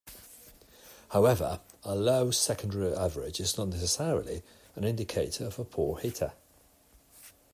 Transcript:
However, a low secondary average is not necessarily an indicator of a poor hitter.